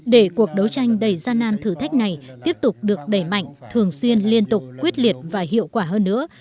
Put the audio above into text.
để cuộc đấu tranh đầy gian nan thử thách này tiếp tục được đẩy mạnh thường xuyên liên tục quyết liệt và hiệu quả hơn nữa